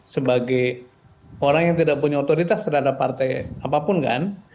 sebagai orang yang tidak punya otoritas terhadap partai apapun kan